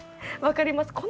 分かります。